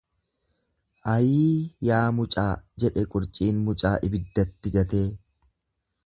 Ayii yaa mucaa jedhe qurciin mucaa ibiddatti gatee.